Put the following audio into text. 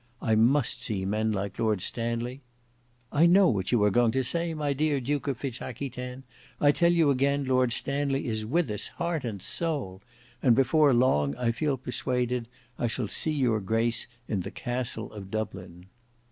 I must see men like Lord Stanley—" "I know what you are going to say, my dear Duke of Fitz Aquitaine. I tell you again Lord Stanley is with us, heart and soul; and before long I feel persuaded I shall see your grace in the Castle of Dublin."